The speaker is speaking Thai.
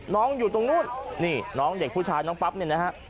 น้องอยู่ตรงนู้นนี่น้องเด็กผู้ชายเนี่ยนะฮะ